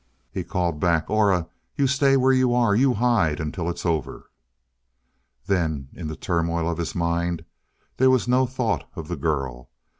He called back, "Aura you stay where you are you hide, until it's over " Then, in the turmoil of his mind, there was no thought of the girl.